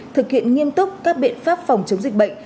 thực hiện nghiêm túc các biện pháp phòng chống dịch bệnh